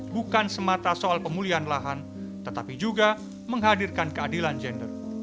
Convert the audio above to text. bukan semata soal pemulihan lahan tetapi juga menghadirkan keadilan gender